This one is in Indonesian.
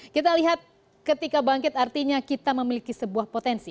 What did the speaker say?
kita lihat ketika bangkit artinya kita memiliki sebuah potensi